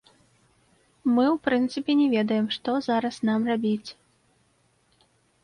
Мы ў прынцыпе не ведаем, што зараз нам рабіць.